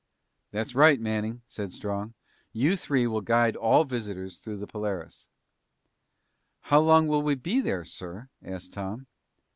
"That's right, Manning," said Strong. "You three will guide all visitors through the Polaris." "How long will we be there, sir?" asked Tom.